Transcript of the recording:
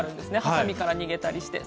はさみから逃げたりして。